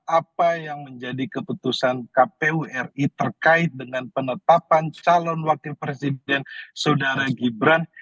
apa yang menjadi keputusan kpu ri terkait dengan penetapan calon wakil presiden saudara gibran